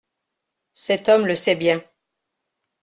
Cet homme le sait bien.